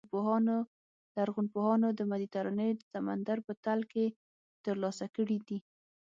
لرغونپوهانو د مدیترانې سمندر په تل کې ترلاسه کړي دي.